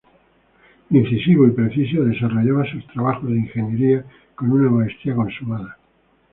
Incisivo y preciso desarrollaba sus trabajos de ingeniería con una maestría consumada.